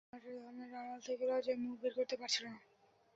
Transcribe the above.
বাড়ির দাওয়ার মাটির থামের আড়াল থেকে লজ্জায় মুখ বের করতেই পারছিল না।